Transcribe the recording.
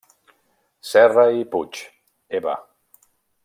Serra i Puig, Eva.